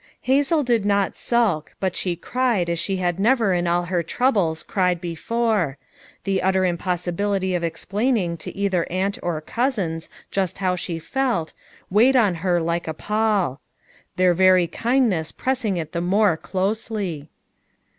Hazel did not milk, but hIio cried an hIio had never in all hor troubles cried before; the utter impoHHiljiliiy of explaining to either aunt or coiiHiiiB jubI bow hIio foil, weighed on hor like a pall; Umir very kiiulnoHH proHHing it the more eloHcIy.